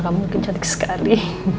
kamu mungkin cantik sekali